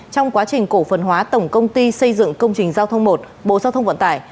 trong quá trình cổ phần hóa tổng công ty xây dựng công trình giao thông một bộ giao thông vận tải